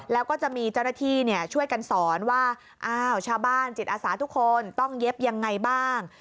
แล้วก็จะมีเจ้าหน้าที่ช่วยกันสอนว่าอ้าวชาวบ้านจิตอาสาทุกคนต้องเย็บยังไงบ้าง